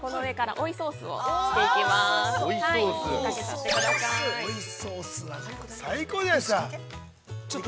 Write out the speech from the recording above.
◆追いソースなんて最高じゃないですか。